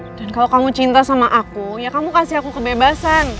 dan kalau kamu cinta sama aku ya kamu kasih aku kebebasan